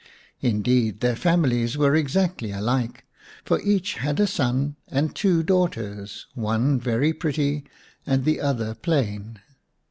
Indeed their families were exactly alike, for each had a son and two daughters, one very pretty and the other plain.